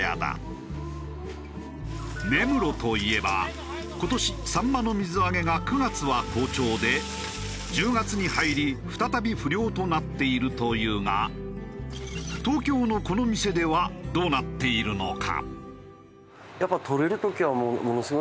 根室といえば今年サンマの水揚げが９月は好調で１０月に入り再び不漁となっているというが東京のこの店ではどうなっているのか？